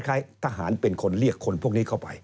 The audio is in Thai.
ทหารเป็นคนเรียกคนพวกนี้เข้าไป